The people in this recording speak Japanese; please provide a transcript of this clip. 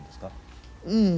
うん。